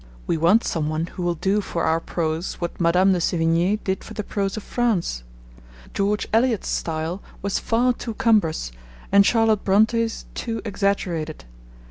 We want some one who will do for our prose what Madame de Sevigne did for the prose of France. George Eliot's style was far too cumbrous, and Charlotte Bronte's too exaggerated.